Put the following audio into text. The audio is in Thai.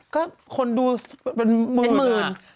ก็คนดูเป็นหมื่น